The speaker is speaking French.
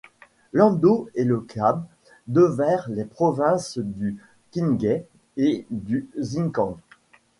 L'Amdo et le Kham devinrent les provinces du Qinghai et du Xikang.